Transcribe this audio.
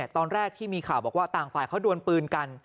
ตอนแรกที่มีข่าวบอกว่าต่างฝ่ายเขาดวนปืนกัน